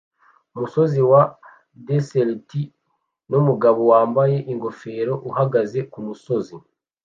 Umusozi wa dessert numugabo wambaye ingofero uhagaze kumusozi